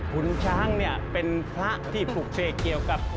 คุณช้างเนี่ยเป็นพระที่ปลูกเสกเกี่ยวกับ